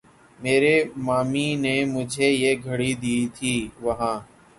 میریں مامیںں نیں مجھیں یہ گھڑی دی تھی وہاں